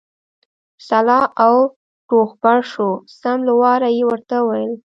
سلا او روغبړ شو، سم له واره یې ورته وویل.